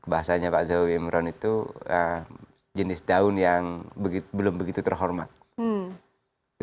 bahasanya pak zo imron itu jenis daun yang belum begitu terhormat